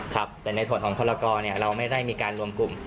ครับแต่ในส่วนของพลกรเราไม่ได้มีการรวมกลุ่ม